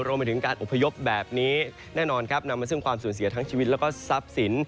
รวมไปถึงการอบพยพแบบนี้แน่นอนครับนำมาซึ่งความสูญเสียทั้งชีวิตแล้วก็ทรัพย์สิน